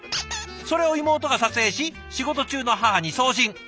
それを妹が撮影し仕事中の母に送信。